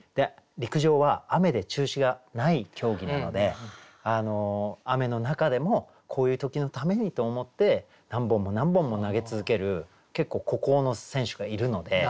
陸上は雨で中止がない競技なので雨の中でもこういう時のためにと思って何本も何本も投げ続ける結構孤高の選手がいるので。